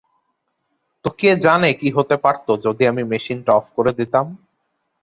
তো কে জানে কী হতে পারত যদি আমি মেশিনটা অফ করে দিতাম।